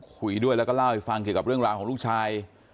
คุยด้วยแล้วก็เล่าให้ฟังเกี่ยวกับเรื่องราวของลูกชาย